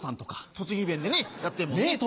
栃木弁でねやってるもんね。